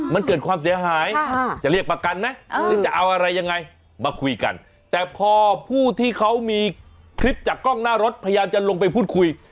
มันเกิดความเสียหายจะเรียกประกันไหมหรือจะเอาอะไรยังไงมาคุยกันแต่พอผู้ที่เขามีคลิปจากกล้องหน้ารถพยายามจะลงไปพูดคุย